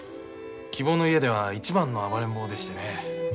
希望の家では一番の暴れん坊でしてね。